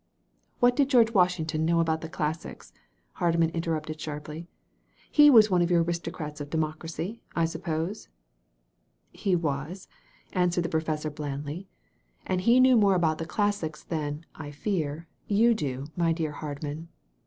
"What did George Washington know about the classics?" Hardman interrupted sharply. "He was one of your aristocrats of democracy, I suppose?" "He was," answered the professor blandly, "and 200 A CLASSIC INSTANCE he knew more about the classics than, I fear, you do, my dear Hardman.